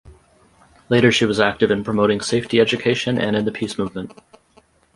Later she was active in promoting safety education and in the peace movement.